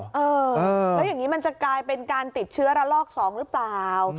แล้วอย่างนี้มันจะกลายเป็นการติดเชื้อระลอก๒หรือเปล่า